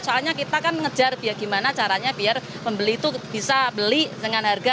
soalnya kita kan mengejar gimana caranya biar pembeli itu bisa beli dengan harga